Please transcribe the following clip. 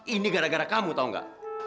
ini gara gara kamu tau gak